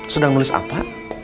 sudah nulis apa